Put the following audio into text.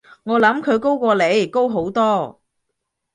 我諗佢高過你，高好多